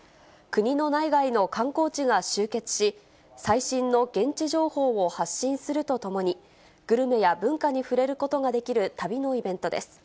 国の内外の観光地が集結し、最新の現地情報を発信するとともに、グルメや文化に触れることができる旅のイベントです。